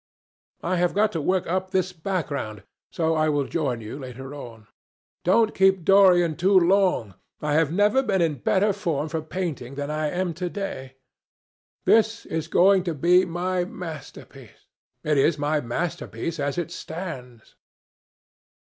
I have got to work up this background, so I will join you later on. Don't keep Dorian too long. I have never been in better form for painting than I am to day. This is going to be my masterpiece. It is my masterpiece as it stands."